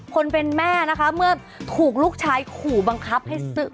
คนเป็นแม่นะคะเมื่อถูกลูกชายขู่บังคับให้ซื้อ